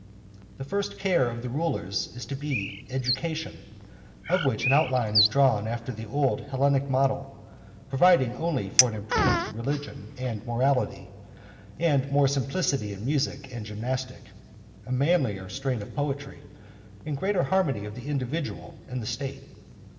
The first care of the rulers is to be education, of which an outline is drawn after the old Hellenic model, providing only for an improved religion and morality, and more simplicity in music and gymnastic, a manlier strain of poetry, and greater harmony of the individual and the State.